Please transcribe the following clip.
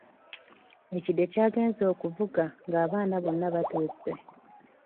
Ekide ky'agenze okuvuga nga abaana bonna batuuse.